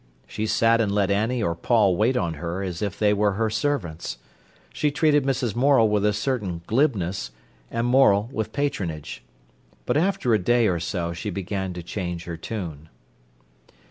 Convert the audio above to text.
She sat and let Annie or Paul wait on her as if they were her servants. She treated Mrs. Morel with a certain glibness and Morel with patronage. But after a day or so she began to change her tune.